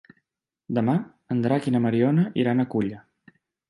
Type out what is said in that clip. Demà en Drac i na Mariona iran a Culla.